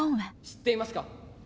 知っていますか。